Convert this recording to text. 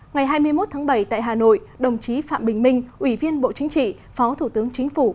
ngày hai mươi một tháng bảy tại hà nội đồng chí phạm bình minh ủy viên bộ chính trị phó thủ tướng chính phủ